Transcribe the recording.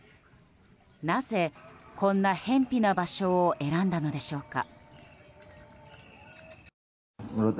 なぜこんなへんぴな場所を選んだのでしょうか。